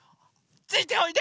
ついておいで！